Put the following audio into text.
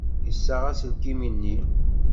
Yessaɣ aselkim-nni.